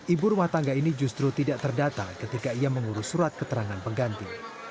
ibu rumah tangga ini justru tidak terdata ketika ia mengurus surat keterangan pengganti